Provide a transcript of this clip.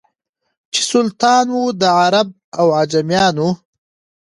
چي سلطان وو د عرب او عجمیانو